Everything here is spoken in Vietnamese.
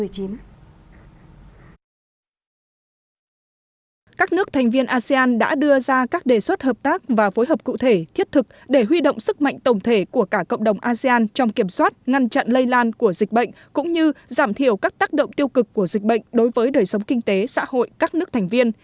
các nước thành viên asean đã đưa ra các đề xuất hợp tác và phối hợp cụ thể thiết thực để huy động sức mạnh tổng thể của cả cộng đồng asean trong kiểm soát ngăn chặn lây lan của dịch bệnh cũng như giảm thiểu các tác động tiêu cực của dịch bệnh đối với đời sống kinh tế xã hội các nước thành viên